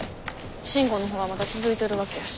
慎吾のほうはまだ続いてるわけやし。